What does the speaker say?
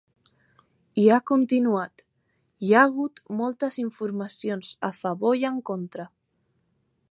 I ha continuat: Hi ha hagut moltes informacions a favor i en contra.